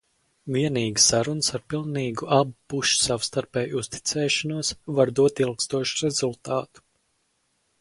Vienīgi sarunas ar pilnīgu abu pušu savstarpēju uzticēšanos var dot ilgstošu rezultātu.